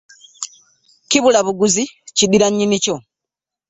Kibula buguzi kiddira nyinni kyo .